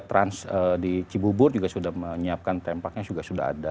trans di cibubur juga sudah menyiapkan tempaknya sudah ada